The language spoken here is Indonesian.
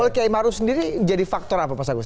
oleh kiai maru sendiri jadi faktor apa mas agus